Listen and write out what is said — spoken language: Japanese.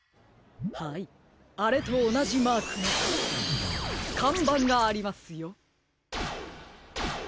はいあれとおなじマークのかんばんがありますよ。